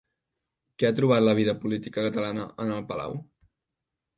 Què ha trobat la vida política catalana en el Palau?